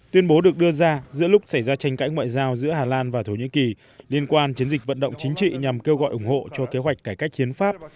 tuyên bố được đưa ra giữa lúc xảy ra tranh cãi ngoại giao giữa hà lan và thổ nhĩ kỳ liên quan chiến dịch vận động chính trị nhằm kêu gọi ủng hộ cho kế hoạch cải cách hiến pháp